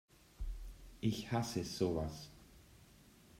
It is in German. Ich hasse sowas!